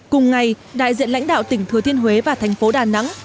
cùng ngày đại diện lãnh đạo tỉnh thừa thiên huế và thành phố đà nẵng